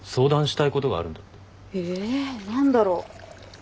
何だろう。